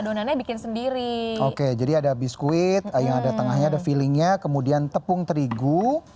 adonannya bikin sendiri oke jadi ada biskuit yang ada tengahnya ada feelingnya kemudian tepung terigu